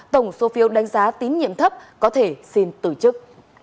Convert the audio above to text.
tổng số phiêu đánh giá tiến nhiệm thấp có thể xin tử chức